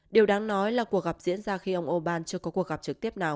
điều đáng nói là cuộc gặp diễn ra khi ông orbán chưa có cuộc gặp trực tiếp nào